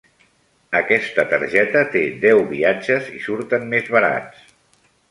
Aquesta targeta té deu viatges i surten més barats.